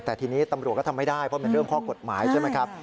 แต่ทีนี้ตำรวจก็ทำไม่ได้เพราะมันเรื่องข้อกฎหมายใช่ไหมครับ